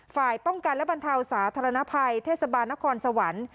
ฝ่ายป้องกันและบรรเทาสาธารณภัยเทศบาลนครสวรรค์